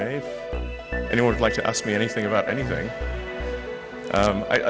ada yang ingin bertanya tentang apa apa